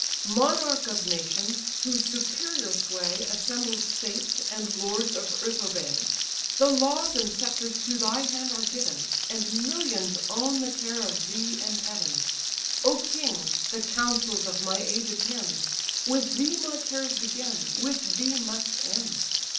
"Monarch of nations! whose superior sway Assembled states, and lords of earth obey, The laws and sceptres to thy hand are given, And millions own the care of thee and Heaven. O king! the counsels of my age attend; With thee my cares begin, with thee must end.